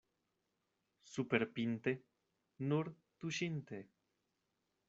Superpinte — nur tuŝinte.